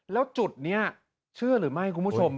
แล้วจุดนี้เชื่อหรือไม่คุณผู้ชม